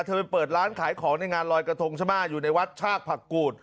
ไปเปิดร้านขายของในงานลอยกระทงใช่ไหมอยู่ในวัดชากผักกูด